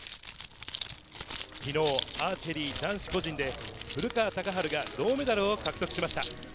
昨日、アーチェリー男子個人で古川高晴が銅メダルを獲得しました。